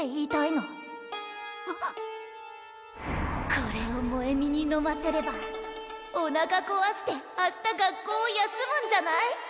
これを萌美に飲ませればおなかこわして明日学校を休むんじゃない？